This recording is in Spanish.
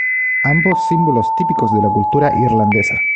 Ambos símbolos típicos de la cultura irlandesa.